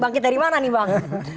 bangkit dari mana nih bang